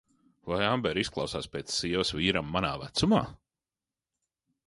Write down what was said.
Vai Ambera izklausās pēc sievas vīram manā vecumā?